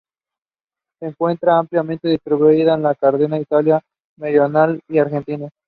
Se encuentra ampliamente distribuida en Cerdeña, Italia meridional, y Argelia.